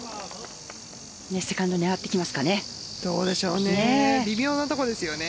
セカンド狙っていきますかね。